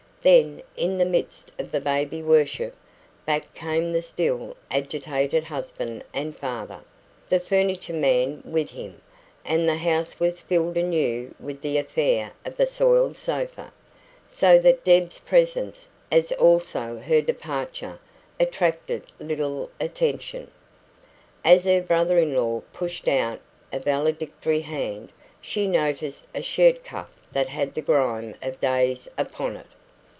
Then, in the midst of the baby worship, back came the still agitated husband and father, the furniture man with him; and the house was filled anew with the affair of the soiled sofa, so that Deb's presence, as also her departure, attracted little attention. As her brother in law pushed out a valedictory hand, she noticed a shirt cuff that had the grime of days upon it.